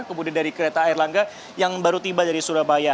kemudian dari kereta air langga yang baru tiba dari surabaya